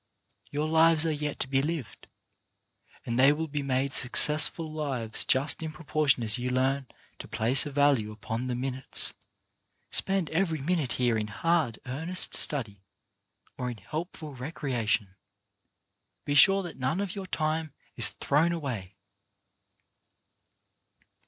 Your lives \ SOME LESSONS OF THE HOUR 143 are yet to be lived, and they will be made success ful lives just in proportion as you learn to place a value upon the minutes. Spend every minute here in hard, earnest study, or in heipful recrea tion. Be sure that none of your time is thrown away.